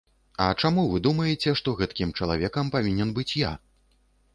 А чаму вы думаеце, што гэткім чалавекам павінен быць я?